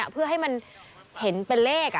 เพื่อให้มันเห็นเป็นเลข